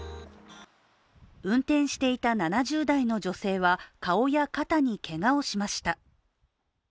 運転していた７０代の女性は顔や肩にけがをしました。